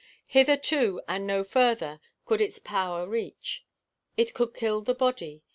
Hitherto and no further could its power reach. It could kill the body.